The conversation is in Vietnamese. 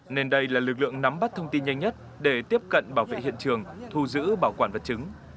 nên đây là lực lượng nắm bắt thông tin nhanh nhất để tiếp cận bảo vệ hiện trường thu giữ bảo quản vật chứng